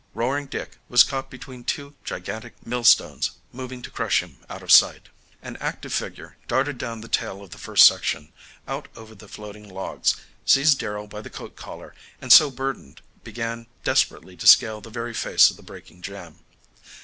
Roaring Dick was caught between two gigantic millstones moving to crush him out of sight. An active figure darted down the tail of the first section, out over the floating logs, seized Darrell by the coat collar, and so burdened began desperately to scale the very face of the breaking jam.